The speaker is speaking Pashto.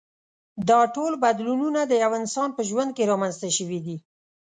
دا ټول بدلونونه د یوه انسان په ژوند کې رامنځته شوي دي.